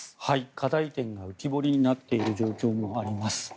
課題点が浮き彫りになっている状況もあります。